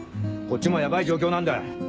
こっちもヤバい状況なんだ。